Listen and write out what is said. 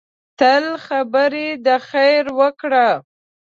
تل خبرې د خیر وکړه